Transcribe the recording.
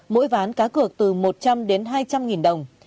mỗi ván cá cược từ một trăm linh đến hai trăm linh nghìn đồng